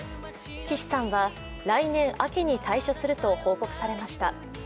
岸さんは、来年秋に退所すると報告されました。